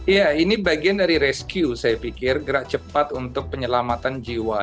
ya ini bagian dari rescue saya pikir gerak cepat untuk penyelamatan jiwa